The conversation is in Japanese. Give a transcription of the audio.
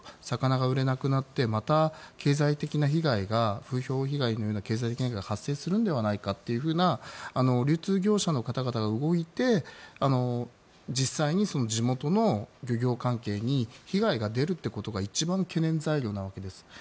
魚が売れなくなってまた経済的な被害風評被害が発生するのではないかということが流通業者の方々が動いて実際に、地元の漁業関係に被害が出るということが一番の懸念材料なわけです。